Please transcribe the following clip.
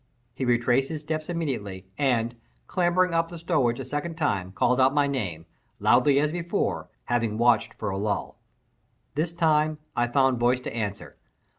He retraced his steps immediately, and, clambering up the stowage a second time, called out my name, loudly as before, having watched for a lull. This time I found voice to answer.